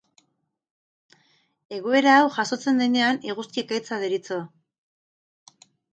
Egoera hau jazotzen denean eguzki ekaitza deritzo.